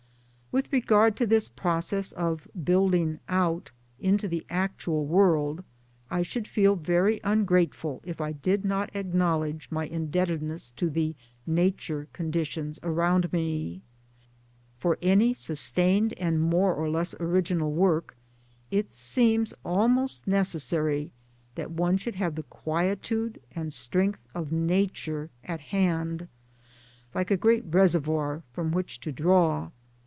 With regard to this process of " building out " into the actual world I should feel very ungrateful 1 if I did not acknowledge my indebtedness to trie Nature conditions around me. For any sustained and more or less original work it seems almost neces sary that one should have the quietude and strength of Nature at hand, like a great reservoir from which to draw.